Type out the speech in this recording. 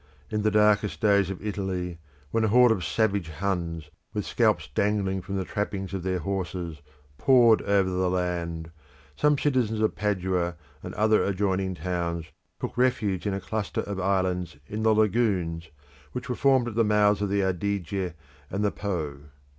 In the darkest days of Italy, when a horde of savage Huns, with scalps dangling from the trappings of their horses, poured over the land, some citizens of Padua and other adjoining towns took refuge in a cluster of islands in the lagoons which were formed at the mouths of the Adige and the Po.